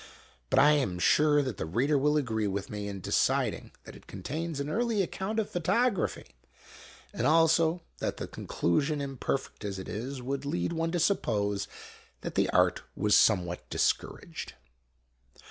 But I am sure that the reader will agree with me in decid ing that it contains an early account of photography, and also that the conclusion, imperfect as it is, would lead one to suppose that the art was somewhat discouraged.